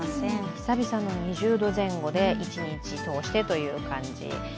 久々の２０度前後で一日通してという感じ。